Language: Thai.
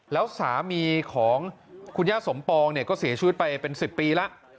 แล้วสามีของคุณย่าสมปองเนี่ยก็เสียชีวิตไปเป็น๑๐ปีแล้ว